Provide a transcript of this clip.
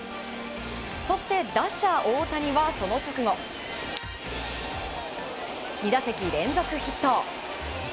そして打者・大谷はその直後２打席連続ヒット。